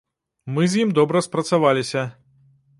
Мы з ім добра спрацаваліся.